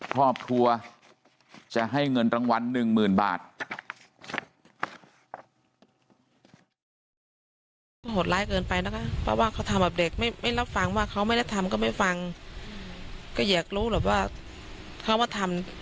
ครอบครัวจะให้เงินรางวัล๑๐๐๐บาท